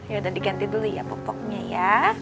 ya udah diganti dulu ya popoknya ya